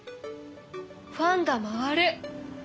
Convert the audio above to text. ファンが回る！